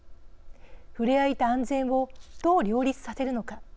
ふれあいと安全をどう両立させるのか。